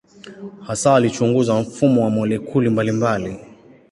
Hasa alichunguza mfumo wa molekuli mbalimbali.